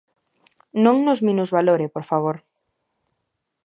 Non nos minusvalore, por favor.